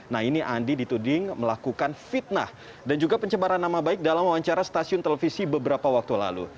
nah ini andi dituding melakukan fitnah dan juga pencemaran nama baik dalam wawancara stasiun televisi beberapa waktu lalu